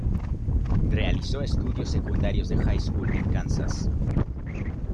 Realizó estudios secundarios de high school en Kansas.